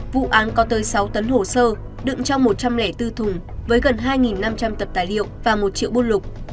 vụ án có tới sáu tấn hồ sơ đựng trong một trăm linh bốn thùng với gần hai năm trăm linh tập tài liệu và một triệu bôn lục